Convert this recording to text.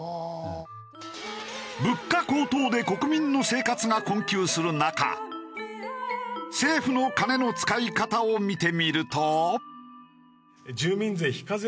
物価高騰で国民の生活が困窮する中政府のカネの使い方を見てみると。